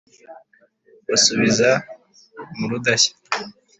Basubiza mu Rudashya;